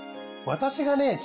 私がね